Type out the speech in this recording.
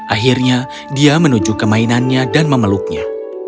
akhirnya dia menuju ke mainannya dan memeluknya